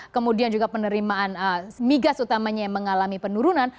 kemudian juga penerimaan migas utamanya yang mengalami penurunan